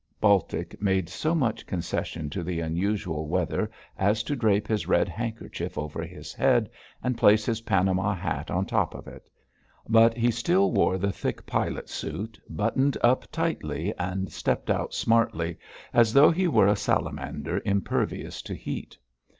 Baltic made so much concession to the unusual weather as to drape his red handkerchief over his head and place his Panama hat on top of it; but he still wore the thick pilot suit, buttoned up tightly, and stepped out smartly, as though he were a salamander impervious to heat.